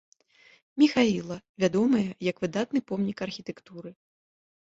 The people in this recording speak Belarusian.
Міхаіла, вядомая як выдатны помнік архітэктуры.